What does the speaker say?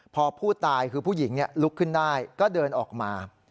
พอผู้ตายคือผู้หญิงลุกขึ้นได้ก็เดินออกมา